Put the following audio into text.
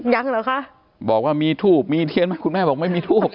เหรอคะบอกว่ามีทูบมีเทียนไหมคุณแม่บอกไม่มีทูบ